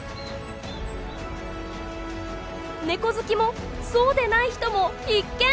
ネコ好きもそうでない人も必見！